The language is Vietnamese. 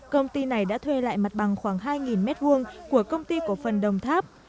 công ty này đã thuê lại mặt bằng khoảng hai m hai của công ty cổ phần đồng tháp